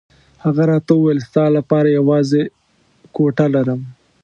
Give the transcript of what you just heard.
هغه راته وویل ستا لپاره یوازې کوټه لرم.